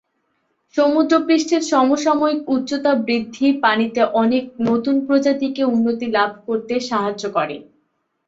সমুদ্রপৃষ্ঠের সমসাময়িক উচ্চতা বৃদ্ধি পানিতে অনেক নতুন প্রজাতিকে উন্নতি লাভ করতে সাহায্য করে।